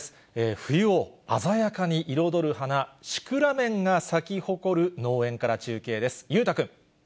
冬を鮮やかに彩る花、シクラメンが咲き誇る農園から中継です。